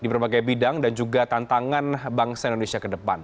di berbagai bidang dan juga tantangan bangsa indonesia ke depan